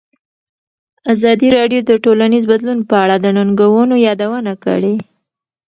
ازادي راډیو د ټولنیز بدلون په اړه د ننګونو یادونه کړې.